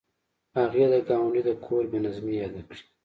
هغې د ګاونډي د کور بې نظمۍ یادې کړې